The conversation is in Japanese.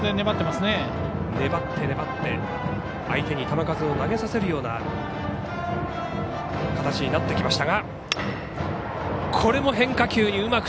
粘って、粘って相手に球数を投げさせるような形になってきました。